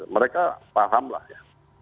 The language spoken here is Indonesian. mereka pahamlah ya